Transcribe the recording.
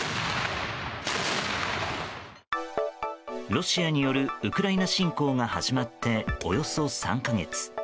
ロシアによるウクライナ侵攻が始まっておよそ３か月。